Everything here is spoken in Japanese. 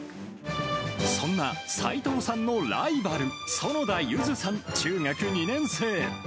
そんな齋藤さんのライバル、園田柚子さん、中学２年生。